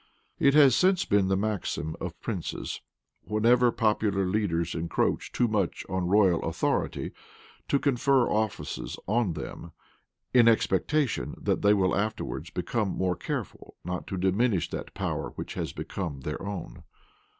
It has since been the maxim of princes, wherever popular leaders encroach too much on royal authority, to confer offices on them, in expectation that they will afterwards become more careful not to diminish that power which has become their own.